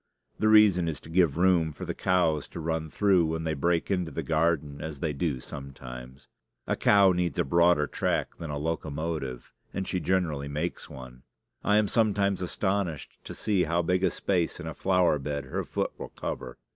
The reason is to give room for the cows to run through when they break into the garden as they do sometimes. A cow needs a broader track than a locomotive; and she generally makes one. I am sometimes astonished to see how big a space in a flower bed her foot will cover.